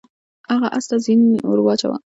هغه اس ته ښه زین ور واچاوه.